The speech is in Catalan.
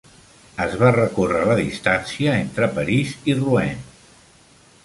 Es va recórrer la distància entre París i Rouen.